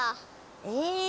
え？